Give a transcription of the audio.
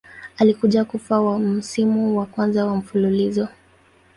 Alikuja kufa wa msimu wa kwanza wa mfululizo.